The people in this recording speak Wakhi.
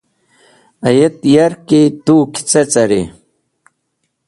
Ayet yarki tu kecẽri.